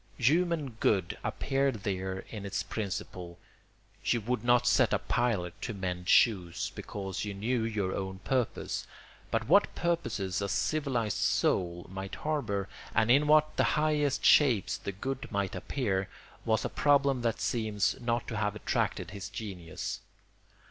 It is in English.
Human good appeared there in its principle; you would not set a pilot to mend shoes, because you knew your own purpose; but what purposes a civilised soul might harbour, and in what highest shapes the good might appear, was a problem that seems not to have attracted his genius.